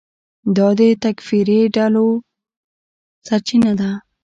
دا د تکفیري ډلو سرچینه ده.